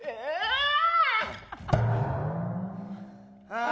ああ。